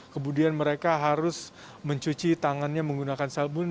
kemudian mereka harus mencuci tangannya menggunakan sabun